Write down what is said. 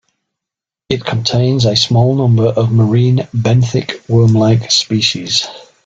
It contains a small number of marine benthic worm-like species.